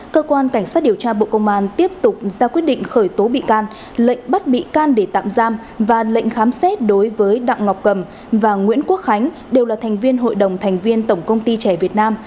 cơ quan cảnh sát điều tra bộ công an tiếp tục ra quyết định khởi tố bị can lệnh bắt bị can để tạm giam và lệnh khám xét đối với đặng ngọc cầm và nguyễn quốc khánh đều là thành viên hội đồng thành viên tổng công ty trẻ việt nam